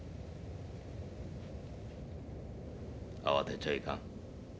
あわてちゃいかん。